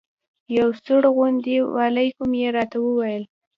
یو سوړ غوندې وعلیکم یې راته وویل.